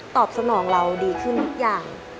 สนองเราดีขึ้นทุกอย่าง